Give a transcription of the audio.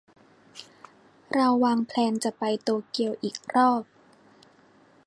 เราวางแพลนจะไปโตเกียวอีกรอบ